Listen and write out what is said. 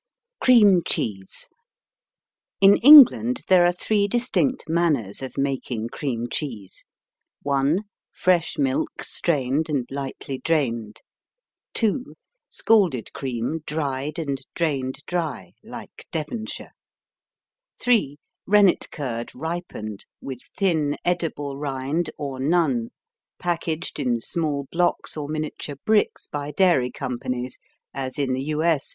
CREAM CHEESE In England there are three distinct manners of making cream cheese: 1. Fresh milk strained and lightly drained. 2. Scalded cream dried and drained dry, like Devonshire. 3. Rennet curd ripened, with thin, edible rind, or none, packaged in small blocks or miniature bricks by dairy companies, as in the U.S.